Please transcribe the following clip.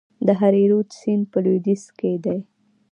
د هریرود سیند په لویدیځ کې دی